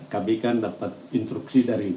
kami kan dapat instruksi dari